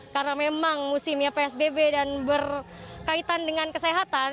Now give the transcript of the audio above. karena memang musimnya psbb dan berkaitan dengan kesehatan